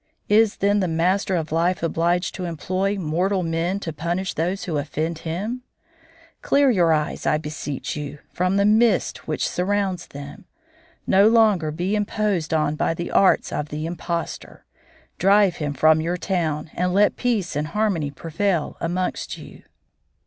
Is, then, the Master of Life obliged to employ mortal man to punish those who offend Him? Clear your eyes, I beseech you, from the mist which surrounds them. No longer be imposed on by the arts of the impostor. Drive him from your town and let peace and harmony prevail amongst you."